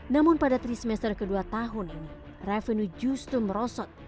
namun pada trisemester kedua tahun ini revenu justru merosot